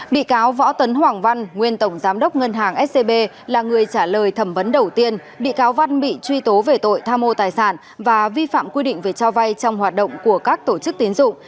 bị cáo võ tấn hoàng văn nguyên tổng giám đốc ngân hàng scb là người trả lời thẩm vấn đầu tiên bị cáo văn bị truy tố về tội tham mô tài sản và vi phạm quy định về cho vay trong hoạt động của các tổ chức tiến dụng